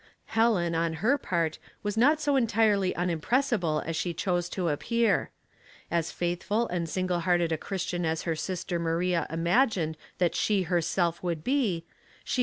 Helen, on her part, was not so entirely unim pressible as she chose to appear. As faithful and single hearted a Christian as her sister Maria imagined that she herself would be, she 176 Household Puzzles.